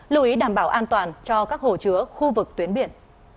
lưu ý đảm bảo an toàn cho các hồ chứa khu vực tuyến biển